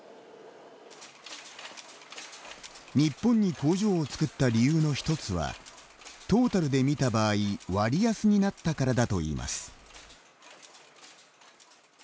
日本に工場を作った理由の１つはトータルで見た場合割安になったからだといいます。